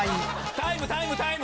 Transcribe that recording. タイム、タイム、タイム。